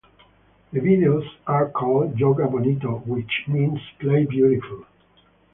The videos are called Joga Bonito which means Play Beautiful.